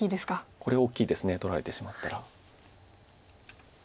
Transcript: これは大きいです取られてしまったら。